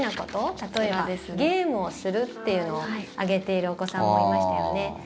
例えばゲームをするっていうのを挙げているお子さんもいましたよね。